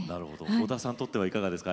織田さんにとってはいかがですか？